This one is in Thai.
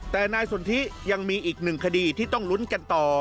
แต่นายสนทิยังมีอีกหนึ่งคดีที่ต้องลุ้นกันต่อ